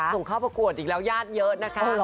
ส่งเข้าประกวดอีกแล้วญาติเยอะนะคะ